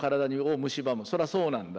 それはそうなんだ。